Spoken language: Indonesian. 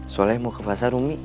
soleh mau ke pasar umi